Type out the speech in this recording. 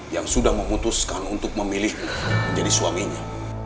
yang sudah memutuskan untuk memilih menjadi suaminya